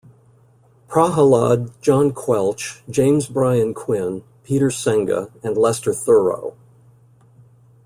Prahalad, John Quelch, James Brian Quinn, Peter Senge, and Lester Thurow.